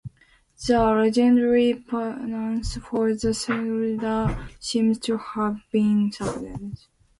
The legendary penance for the slaughter seems to have been servitude.